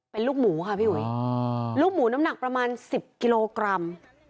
เป็นลูกหมูค่ะพี่อุ๋ยลูกหมูน้ำหนักประมาณ๑๐กิโลกรัม